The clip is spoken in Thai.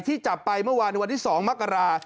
ที่จับไปเมื่อวานวันที่๒มักรา